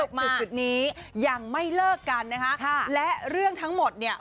จุดนี้ยังไม่เลิกกันนะคะค่ะและเรื่องทั้งหมดเนี่ย